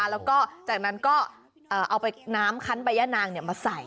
แล้วก็จากนั้นก็เอาไปน้ำคันใบย่านางมาใส่